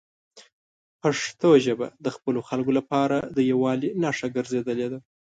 پښتو ژبه د خپلو خلکو لپاره د یووالي نښه ګرځېدلې ده.